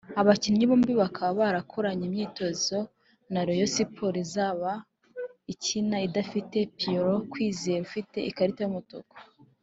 Aba bakinnyi bombi bakaba bakoranye imyitozo na Rayon Sports izaba ikina idafite Pierrot Kwizera ufite ikarita y'umutuku